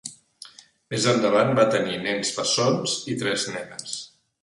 Més endavant va tenir nens bessons i tres nenes.